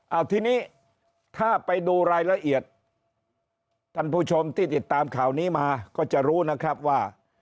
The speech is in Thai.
เอาทีนี้ถ้าไปดูรายละเอียดท่านผู้ชมที่ติดตามข่าวนี้มาก็จะรู้นะครับว่า